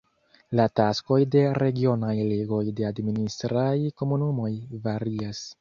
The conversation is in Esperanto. La taskoj de regionaj ligoj de administraj komunumoj varias.